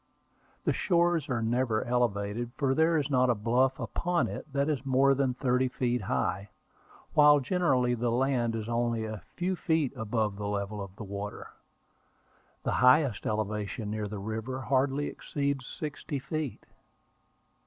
The shores are never elevated, for there is not a bluff upon it that is more than thirty feet high, while generally the land is only a few feet above the level of the water. The highest elevation near the river hardly exceeds sixty feet.